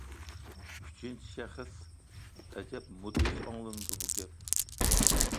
ئۈچىنچى شەخس؟ ئەجەب مۇدھىش ئاڭلىنىدۇ بۇ گەپ.